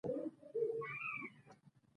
د کار عیبونه یې را په ګوته کړل.